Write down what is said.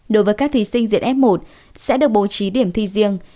đối với các thí sinh diện f một sẽ được bố trí điểm thi riêng